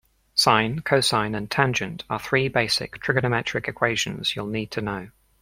Sine, cosine and tangent are three basic trigonometric equations you'll need to know.